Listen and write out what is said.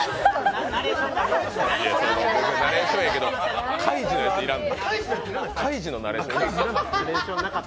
ナレーションええけど、「カイジ」のはいらん。